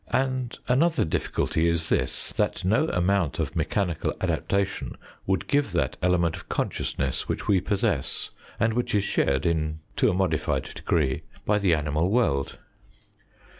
And another difficulty is this, that no amount of mechanical adaptation would give that element of consciousness which we possess, and which is shared in to a modified degree by the animal world.